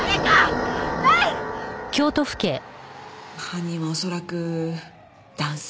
犯人は恐らく男性。